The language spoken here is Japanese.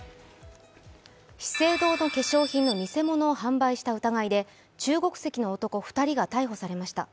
資生堂の化粧品の偽物を販売した疑いで中国籍の男２人が逮捕されました。